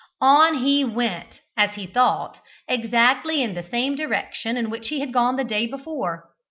On he went, as he thought, exactly in the same direction in which he had gone the day before.